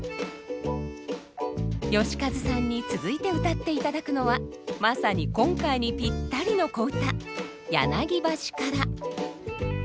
よし和さんに続いてうたっていただくのはまさに今回にぴったりの小唄「柳橋から」。